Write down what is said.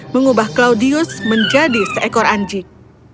mengubah claudius menjadi seekor anjing